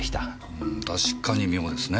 うーん確かに妙ですね。